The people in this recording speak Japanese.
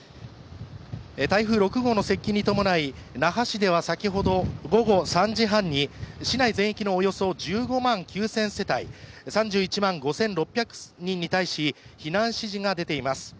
台風６号の接近に伴い、那覇市では先ほど午後３時半に、市内全域のおよそ１５万９０００世帯、３５万５６００人に対し避難指示が出ています。